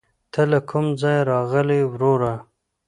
ته له کوم ځايه راغلې ؟ وروره